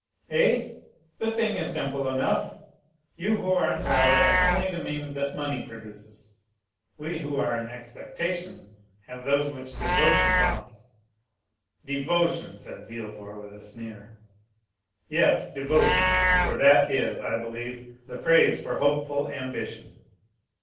"Eh? the thing is simple enough. You who are in power have only the means that money produces—we who are in expectation, have those which devotion prompts." "Devotion!" said Villefort, with a sneer. "Yes, devotion; for that is, I believe, the phrase for hopeful ambition."